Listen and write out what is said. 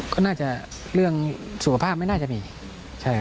ก็น่าจะเรื่องสุขภาพไม่น่าจะมีใช่ครับ